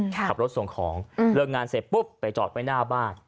ขับรถส่งของเลิกงานเสร็จปุ๊บไปจอดไว้หน้าบ้าน